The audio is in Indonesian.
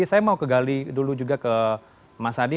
saya mau kegali dulu juga ke mas hadi